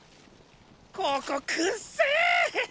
ここくっせー。